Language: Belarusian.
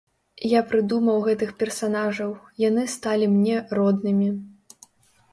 Я прыдумаў гэтых персанажаў, яны сталі мне роднымі.